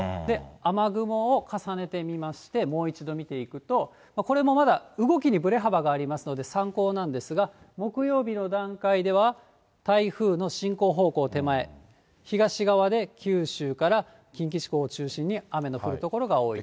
雨雲を重ねてみまして、もう一度見ていくと、これもまだ動きにぶれ幅がありますので、参考なんですが、木曜日の段階では、台風の進行方向手前、東側で九州から近畿地方を中心に雨の降る所が多いと。